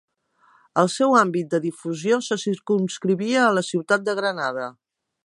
El seu àmbit de difusió se circumscrivia a la ciutat de Granada.